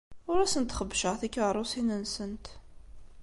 Ur asent-xebbceɣ tikeṛṛusin-nsent.